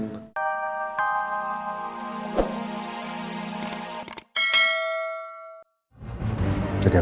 makasih ya sayang